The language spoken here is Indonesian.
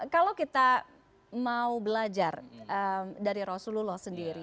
kalau kita mau belajar dari rasulullah sendiri